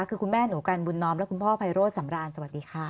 คือคุณแม่หนูกันบุญน้อมและคุณพ่อไพโรธสำราญสวัสดีค่ะ